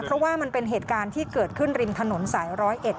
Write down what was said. เพราะว่ามันเป็นเหตุการณ์ที่เกิดขึ้นริมถนนสายร้อยเอ็ด